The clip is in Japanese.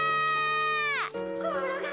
ころがり！